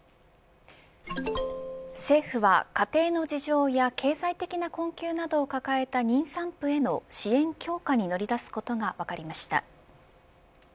政府は家庭の事情や経済的な困窮などをかかえた妊産婦への支援強化に乗り出すことが分かりました。